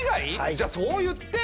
じゃそう言ってよ。